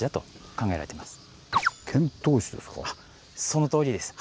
そのとおりです。